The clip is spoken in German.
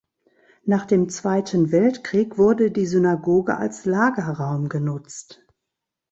Nach dem Zweiten Weltkrieg wurde die Synagoge als Lagerraum genutzt.